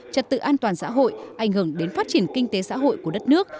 trật tự an toàn xã hội ảnh hưởng đến phát triển kinh tế xã hội của đất nước